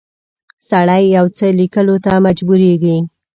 سړی یو څه لیکلو ته مجبوریږي.